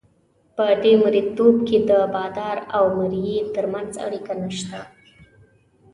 په دې مرییتوب کې د بادار او مریي ترمنځ اړیکه نشته.